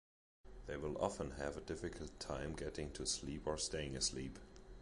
They will often have a difficult time getting to sleep or staying asleep.